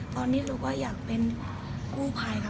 ตอนนี้หนูก็อยากเป็นกู้ภัยค่ะ